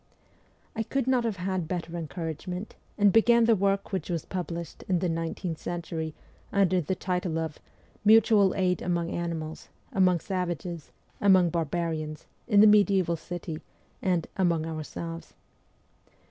I could not have had better encouragement, and began the work which was published in the ' Nineteenth Century ' under the titles of ' Mutual Aid among Animals,' ' among Savages,' 'among Barbarians,' 'in the Mediaeval City,' and ' among Ourselves.'